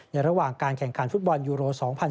ระหว่างการแข่งขันฟุตบอลยูโร๒๐๑๖